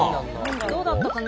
どうだったかな？